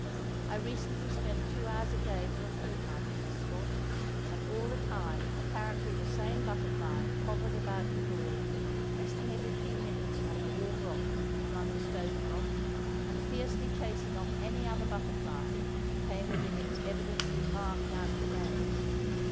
I recently spent two hours a day for a fortnight in this spot, and all the time apparently the same butterfly hovered about the door, resting every few minutes on the warm rock among the stone crop and fiercely chasing off any other butterfly that came within its evidently marked out domain.